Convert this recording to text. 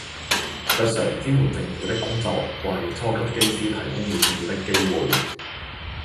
日常支援政府的工作為初級機師提供了重要的機會